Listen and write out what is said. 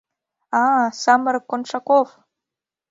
— А-а, самырык Коншаков!